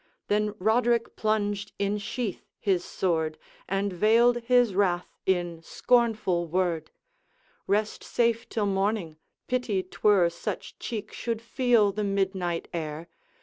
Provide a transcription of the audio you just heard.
Then Roderick plunged in sheath his sword, And veiled his wrath in scornful word:' Rest safe till morning; pity 't were Such cheek should feel the midnight air!